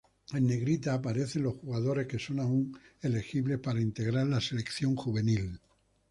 En Negrita aparecen los jugadores que son aún elegibles para integrar la selección juvenil.